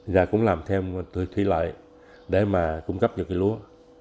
rồi cũng làm thêm thủy lợi để mà cung cấp được cây lúa